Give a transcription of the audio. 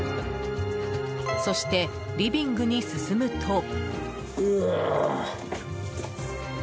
そして、リビングに進むと。